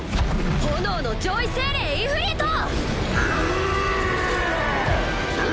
炎の上位精霊イフリート！